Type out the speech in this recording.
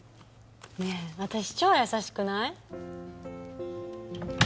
ねえ私超優しくない？